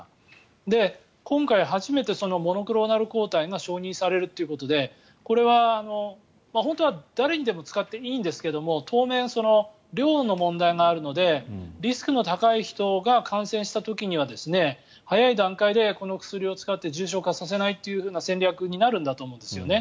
今回、初めてモノクローナル抗体が承認されるということでこれは本当は誰にでも使っていいんですけど当面、量の問題があるのでリスクの高い人が感染した時には早い段階でこの薬を使って重症化させないという戦略になるんだと思うんですよね。